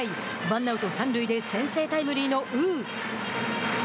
ワンアウト三塁で先制タイムリーの呉。